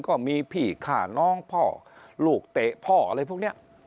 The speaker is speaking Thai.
ก็มีพี่ฆ่าน้องพ่อลูกเตะพ่ออะไรพวกนี้